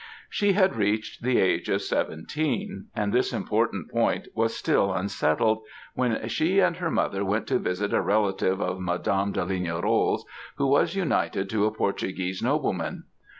"She had reached the age of seventeen, and this important point was still unsettled, when she and her mother went to visit a relative of Madame de Lignerolles, who was united to a Portuguese nobleman.